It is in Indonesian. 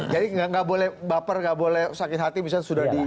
jadi nggak boleh bapres nggak boleh sakit hati misalnya sudah di